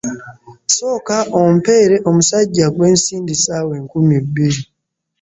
Sooka ompeere omusajja gwe nsindise awo enkumi bbiri.